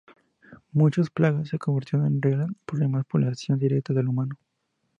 Muchas plagas se convierten en reales problemas por la acción directa del humano.